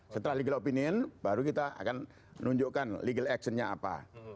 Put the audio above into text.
setelah legal opinion baru kita akan menunjukkan legal actionnya apa